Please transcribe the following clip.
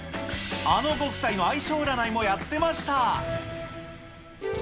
あのご夫妻の相性占いもやってました。